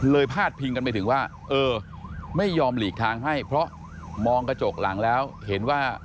พาดพิงกันไปถึงว่าเออไม่ยอมหลีกทางให้เพราะมองกระจกหลังแล้วเห็นว่า